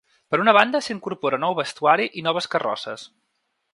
Per una banda s’incorpora nou vestuari i noves carrosses.